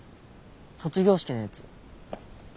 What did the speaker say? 卒業式のやつ。